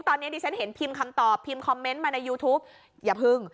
ตอนนี้ดิฉันเห็นพิมพ์คำตอบพิมพ์คอมเมนต์มาในยูทูปอย่าพึ่ง